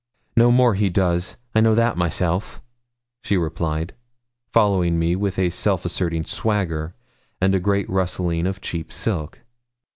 'No more he does I know that myself,' she replied, following me with a self asserting swagger, and a great rustling of cheap silk.